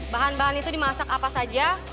bahan bahan itu dimasak apa saja